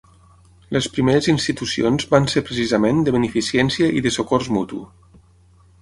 Les primeres institucions van ser precisament de beneficència i de socors mutu.